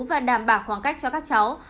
và đảm bảo khoảng cách cho các cháu